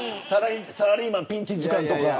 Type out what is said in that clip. サラリーマンピンチ図鑑とか。